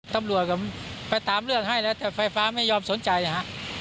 ตำรวจก็ไปตามเรื่องให้แล้วแต่ไฟฟ้าไม่ยอมสนใจนะฮะ